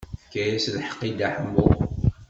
Tefka-as lḥeqq i Dda Ḥemmu.